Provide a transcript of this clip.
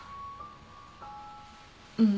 うん。